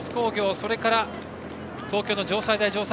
それから東京の城西大城西。